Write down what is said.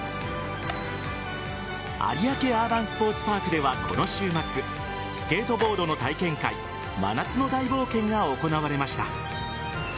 有明アーバンスポーツパークではこの週末スケートボードの体験会真夏の大冒険！！が行われました。